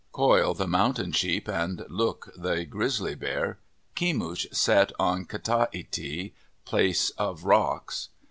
Koil, the mountain sheep, and Luk, the grizzly bear, Kemush set on Kta iti, place of rocks.